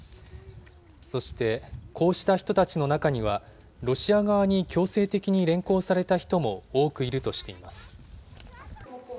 そして、こうした人たちの中には、ロシア側に強制的に連行された人も多くいるとしています。